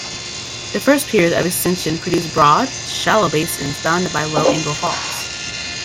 The first period of extension produced broad, shallow basins bounded by low-angle faults.